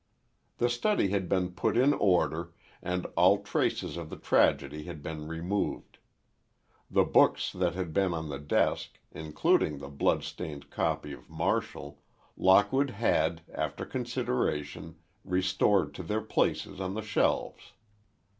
The study had been put in order, and all traces of the tragedy had been removed. The books that had been on the desk, including the blood stained copy of Martial, Lockwood had, after consideration, restored to their places on the shelves.